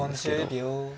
４０秒。